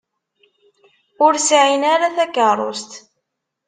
Ur sɛin ara takeṛṛust.